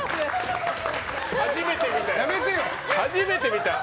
初めて見たよ。